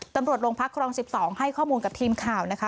ตำรวจโรงพักครอง๑๒ให้ข้อมูลกับทีมข่าวนะคะ